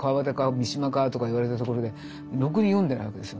三島か？」とか言われたところでろくに読んでないわけですよ。